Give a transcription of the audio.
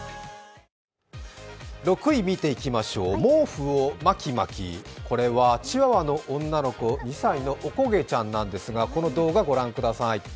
６位、見ていきましょう、毛布を巻き巻き、これはチワワの女の子、２歳のおこげちゃんなんですが、この動画、ご覧ください。